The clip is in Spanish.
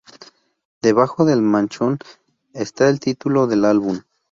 Debajo del manchón está el título del álbum.